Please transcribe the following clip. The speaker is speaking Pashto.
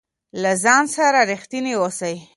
له ځان سره رښتينی اوسه